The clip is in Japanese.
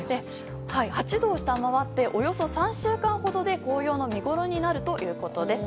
８度を下回っておよそ３週間ほどで紅葉の見ごろになるということです。